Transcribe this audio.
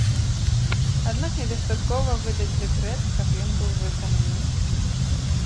Аднак недастаткова выдаць дэкрэт, каб ён быў выкананы.